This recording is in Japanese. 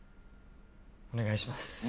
お願いします